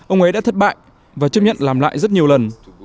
ông ấy đã thất bại và chấp nhận làm lại rất nhiều lần